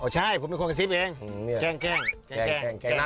อ๋อใช่ผมเป็นคนกระซิบเองแกล้งแกล้งแกล้งแกล้งเฉย